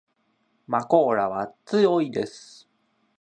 まこーらは強いです